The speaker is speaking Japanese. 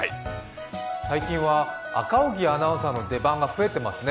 最近は赤荻アナウンサーの出番が増えていますね。